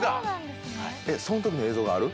その時の映像がある？